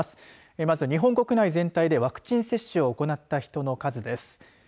まず日本国内全体でワクチン接種を行った人の数です。